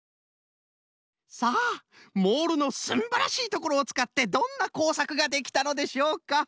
さあモールのすんばらしいところをつかってどんなこうさくができたのでしょうか。